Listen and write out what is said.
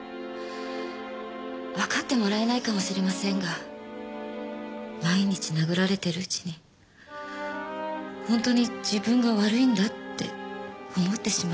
わかってもらえないかもしれませんが毎日殴られてるうちに本当に自分が悪いんだって思ってしまうんです。